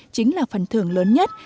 chính là phần thưởng lớn nhất